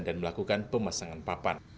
dan melakukan pemasangan papan